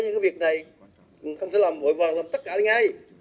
tất nhiên việc này không thể làm mỗi vòng làm tất cả lấy ngay